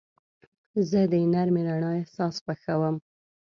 زه د نرمې رڼا احساس خوښوم.